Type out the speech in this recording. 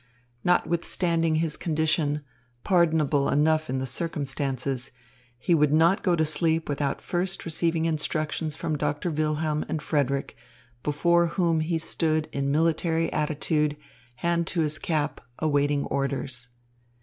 Notwithstanding his condition, pardonable enough in the circumstances, he would not go to sleep without first receiving instructions from Doctor Wilhelm and Frederick, before whom he stood in military attitude, hand to his cap, awaiting orders.